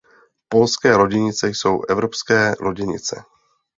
Polské loděnice jsou evropské loděnice.